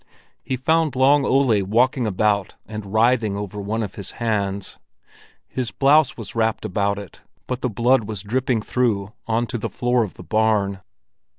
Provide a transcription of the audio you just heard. He found Long Ole walking about and writhing over one of his hands. His blouse was wrapped about it, but the blood was dripping through on to the floor of the barn.